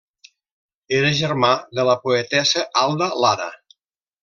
Era germà de la poetessa Alda Lara.